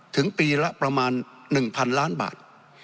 ถึงปีละประมาณหนึ่งพันล้านบาท